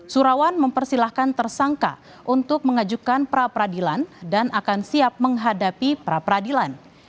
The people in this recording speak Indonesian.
surawan mempersilahkan tersangka untuk mengajukan perapradilan dan akan siap menghadapi perapradilan